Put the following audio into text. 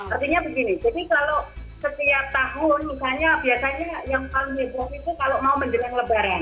artinya begini jadi kalau setiap tahun misalnya biasanya yang paling heboh itu kalau mau menjelang lebaran